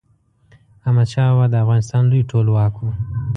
احمد شاه بابا د افغانستان لوی ټولواک و.